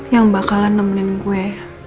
yang bakalan nemenin gue